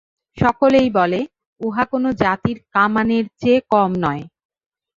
সকলেই বলে, উহা কোন জাতির কামানের চেয়ে কম নয়।